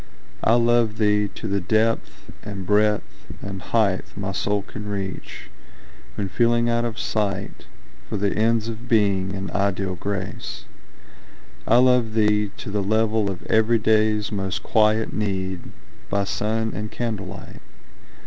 I love thee to the depth and breadth and height My soul can reach, when feeling out of sight For the ends of Being and ideal Grace. I love thee to the level of everyday's Most quiet need, by sun and candlelight.